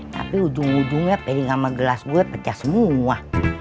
tapi ujung ujungnya pegang sama gelas gue pecah semua